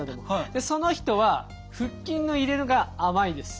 でその人は腹筋の入れが甘いです。